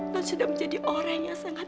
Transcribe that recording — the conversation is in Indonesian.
nona sudah menjadi orang yang sangat baik